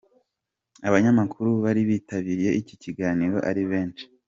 Abanyamakuru bari bitabiriye iki kiganiro ari benshi.